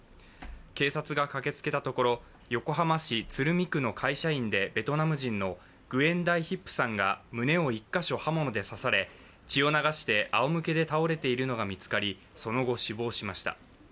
警察が駆けつけたところ、横浜市鶴見区の会社員でベトナム人のグエン・ダイ・ヒップさんが胸を１か所刃物で刺され血を流してあおむけで倒れているのが見つかりその後死亡しました。